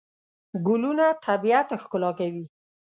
ګلونه طبیعت ښکلا کوي.